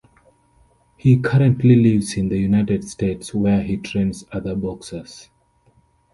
He currently lives in the United States where he trains other boxers.